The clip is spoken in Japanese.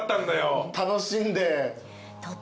楽しんで。